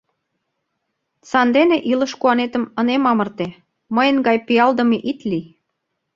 Сандене илыш куанетым ынем амырте, мыйын гай пиалдыме ит лий.